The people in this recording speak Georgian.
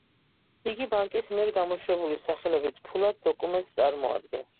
იგი ბანკის მიერ გამოშვებული სახელობით ფულად დოკუმენტს წარმოადგენს.